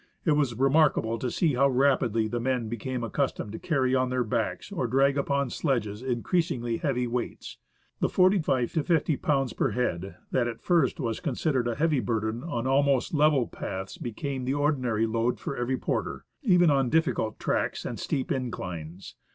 It was remarkable to see how rapidly the men became accustomed to carry on their backs or drag upon sledges increasingly heavy weights. The 45 to 50 lbs. per head that at first was considered a heavy burden on almost level paths became the ordinary load DOME PASS. for every porter, even on difficult tracks and steep inclines.